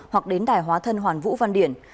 hoặc đến đài hóa thân hoàn vũ văn điển